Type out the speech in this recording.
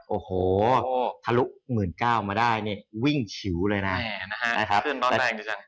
โอ้โหทะลุ๑๙๐๐๐มาได้นี่วิ่งชิวเลยนะแน่นะฮะขึ้นร้อนแรงดีจัง